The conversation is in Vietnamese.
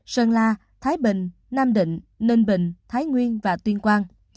sơn la thái bình nam định ninh bình thái nguyên và tuyên quang